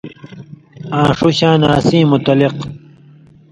آں ݜُو شاناں اسیں متعلق